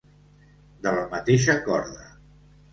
De la mateixa corda.